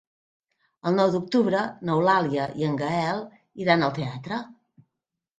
El nou d'octubre n'Eulàlia i en Gaël iran al teatre.